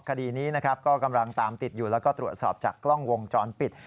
คดีนี้นะครับก็กำลังตามติดอยู่แล้วก็ตรวจสอบจากกล้องวงจรปิด